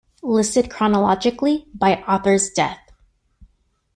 Listed chronologically, by authors death.